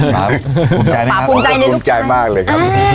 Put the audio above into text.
ผมก็พูดใจมากเลยครับ